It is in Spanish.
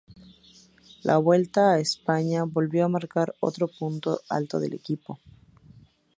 La Vuelta a España volvió a marcar otro punto alto del equipo.